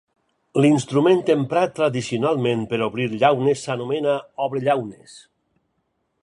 L'instrument emprat tradicionalment per obrir llaunes s'anomena obrellaunes.